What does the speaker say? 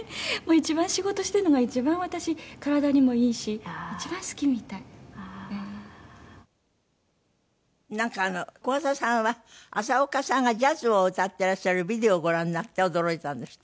「仕事してるのが一番私体にもいいし一番好きみたい」なんか小朝さんは浅丘さんがジャズを歌ってらっしゃるビデオをご覧になって驚いたんですって？